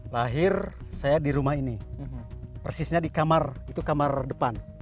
lahir saya di rumah ini persisnya di kamar itu kamar depan